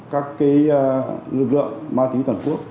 các cái lực lượng ma túy toàn quốc